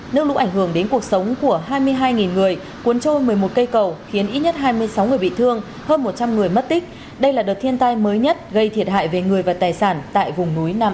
nước lũ ảnh hưởng đến cuộc sống của hai mươi hai người cuốn trôi một mươi một cây cầu khiến ít nhất hai mươi sáu người bị thương hơn một trăm linh người mất tích đây là đợt thiên tai mới nhất gây thiệt hại về người và tài sản tại vùng núi nam